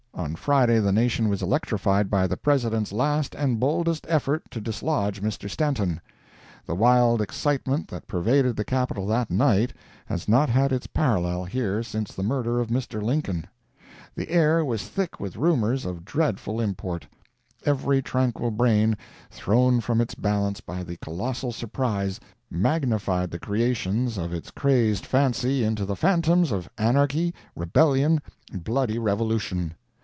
On Friday the nation was electrified by the President's last and boldest effort to dislodge Mr. Stanton. The wild excitement that pervaded the capital that night, has not had its parallel here since the murder of Mr Lincoln. The air was thick with rumors of dreadful import. Every tranquil brain, thrown from its balance by the colossal surprise, magnified the creations of its crazed fancy into the phantoms of anarchy, rebellion, bloody revolution!